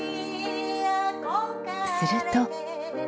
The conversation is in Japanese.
すると。